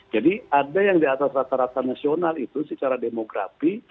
jadi ada yang di atas rata rata nasional itu secara demografi